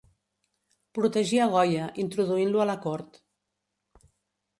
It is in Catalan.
Protegí a Goya, introduint-lo a la cort.